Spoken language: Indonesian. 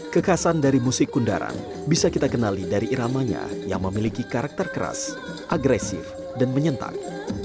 kekasan dari musik kundaran bisa kita kenali dari iramanya yang memiliki karakter keras agresif dan menyentak